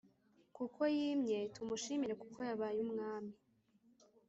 kuko yimye; tumushimire kuko yabaye umwami